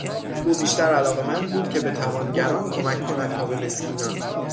او بیشتر علاقمند بود که به توانگران کمک کند تا به مسکینان